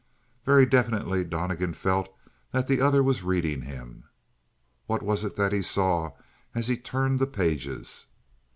Very definitely Donnegan felt that the other was reading him. What was it that he saw as he turned the pages?